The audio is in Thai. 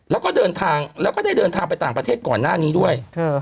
แล้วก็เดินทางแล้วก็ได้เดินทางไปต่างประเทศก่อนหน้านี้ด้วย